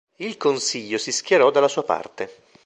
Il consiglio si schierò dalla sua parte.